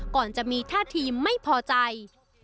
ก่อนจะมีท่าทีไม่พอใจ